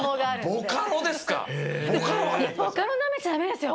ボカロですか？